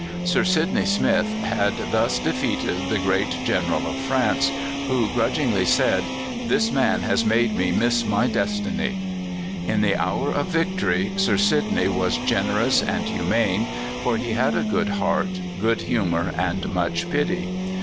Sir Sidney Smith had thus defeated the great General of France, who grudgingly said: "This man has made me miss my destiny." In the hour of victory Sir Sidney was generous and humane, for he had a good heart, good humour, and much pity.